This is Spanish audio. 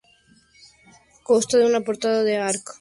Consta de una portada en arco de medio punto que da acceso al zaguán.